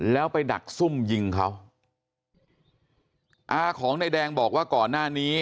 แล้วไปดักซุ่มยิงเขาอาของนายแดงบอกว่าก่อนหน้านี้